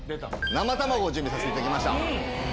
生卵を準備させて頂きました。